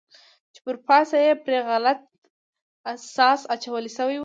چې پر پاسه یې پرې غلیظ ساس اچول شوی و.